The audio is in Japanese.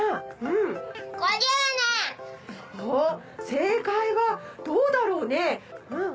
正解はどうだろうね？